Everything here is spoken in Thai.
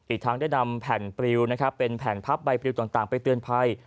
อีกทั้งได้นำแผ่นปริวนะครับเป็นแผ่นพับใบปริวต่างไปเตือนภัย